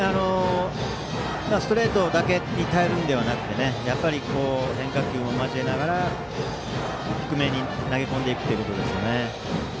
ストレートだけに頼るのではなくて変化球も交えながら低めに投げ込んでいくことですね。